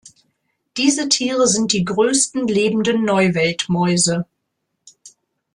Diese Tiere sind die größten lebenden Neuweltmäuse.